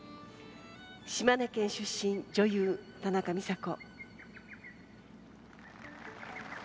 島根県出身、女優・田中美佐子。